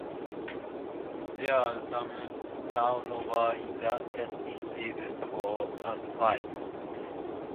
There was some turnover in the cast in seasons four and five.